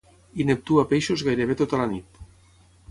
i Neptú a peixos gairebé tota la nit